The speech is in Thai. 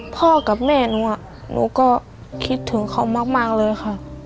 พ่อกับแม่หนูหนูก็คิดถึงเขามากเลยค่ะ